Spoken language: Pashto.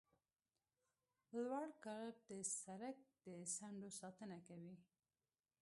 لوړ کرب د سرک د څنډو ساتنه کوي